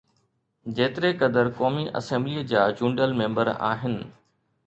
جيتري قدر قومي اسيمبليءَ جا چونڊيل ميمبر آهن.